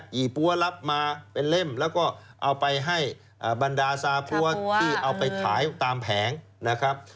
ี่ปั้วรับมาเป็นเล่มแล้วก็เอาไปให้บรรดาซาปั้วที่เอาไปขายตามแผงนะครับ